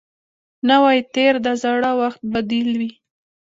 نوی تېر د زاړه وخت بدیل وي